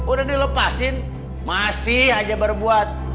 udah dilepasin masih aja baru buat